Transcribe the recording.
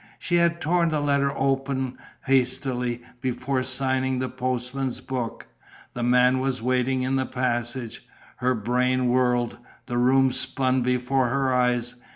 She had torn the letter open hastily, before signing the postman's book. The man was waiting in the passage. Her brain whirled, the room spun before her eyes.